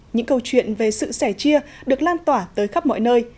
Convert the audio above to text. những câu chuyện về sự sẻ chia được lan tỏa tới khắp mọi nơi